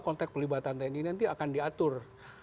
konteks pelibatan tni nanti akan diatur